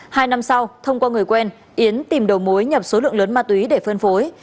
hai năm sau thông qua người quen yến tìm đầu mối nhập số lượng lớn ma túy để phân phối